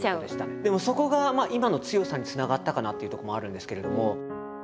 でもそこがまあ今の強さにつながったかなっていうとこもあるんですけれども。